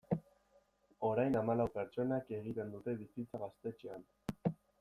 Orain hamalau pertsonak egiten dute bizitza gaztetxean.